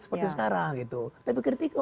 seperti sekarang tapi kritik itu